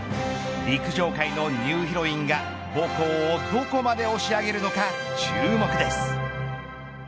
陸上界のニューヒロインが母校をどこまで押し上げるのか注目です。